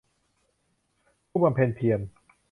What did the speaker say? ผู้บำเพ็ญเพียร